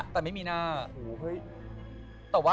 ให้ได้อมาก